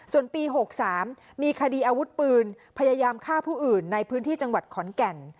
ส่วนปี๖๓มีคดีอาวุธปืนพยายามฆ่าผู้อื่นในพื้นที่จังหวัดขอนแก่น